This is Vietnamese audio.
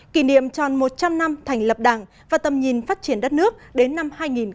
kỷ niệm tròn một trăm linh năm thành lập đảng và tầm nhìn phát triển đất nước đến năm hai nghìn bốn mươi